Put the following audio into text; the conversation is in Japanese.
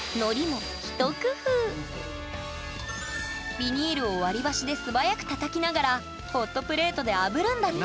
ビニールを割り箸で素早くたたきながらホットプレートであぶるんだって！